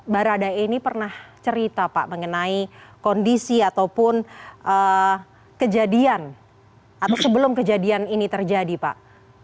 baradae ini pernah cerita pak mengenai kondisi ataupun kejadian atau sebelum kejadian ini terjadi pak